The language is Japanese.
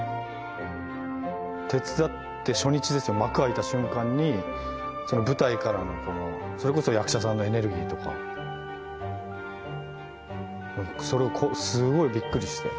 手伝って初日ですよ幕開いた瞬間に舞台からのそれこそ役者さんのエネルギーとかそれをこうすごくびっくりして。